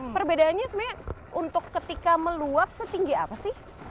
perbedaannya sebenarnya untuk ketika meluap setinggi apa sih